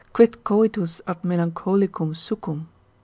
Quid coitus ad melancholicum succum?